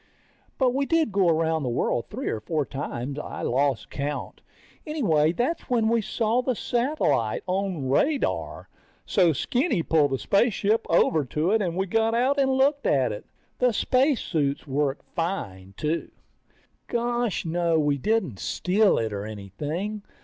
But we did go around the world three or four times. I lost count. Anyway that's when we saw the satellite on radar. So Skinny pulled the spaceship over to it and we got out and looked at it. The spacesuits worked fine, too. Gosh no, we didn't steal it or anything.